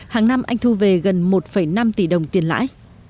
hàng năm anh thu về gần một năm tỷ đồng tiền lãi